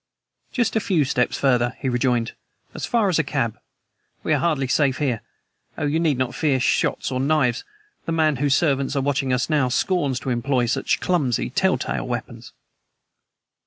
"Just a few steps farther," he rejoined; "as far as a cab. We are hardly safe here. Oh, you need not fear shots or knives. The man whose servants are watching us now scorns to employ such clumsy, tell tale weapons."